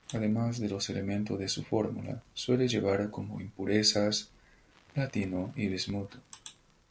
Además de los elementos de su fórmula, suele llevar como impurezas: platino y bismuto.